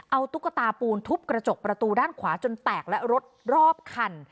เอาตุ๊กตาปูนทุบกระจกประตูด้านขวาจนแตกและรถรอบคัน